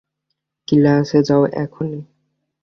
ক্লাসে যাও, এখুনি!